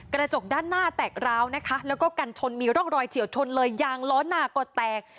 กระจกด้านหน้าแตกร้าวนะคะแล้วก็กันชนมีร่องรอยเฉียวชนเลยยางล้อหน้าก็แตก